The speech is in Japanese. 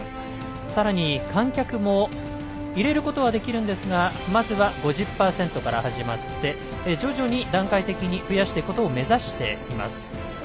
さらに、観客も入れることはできるんですがまずは５０％から始まって徐々に段階的に増やしていくことを目指しています。